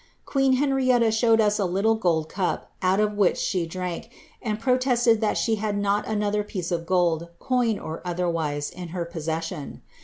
Queen Henrietta showed us a little gold cup out of whidi she drank, and protested that she had not another piece of gold, coin or otherwise, in her possession.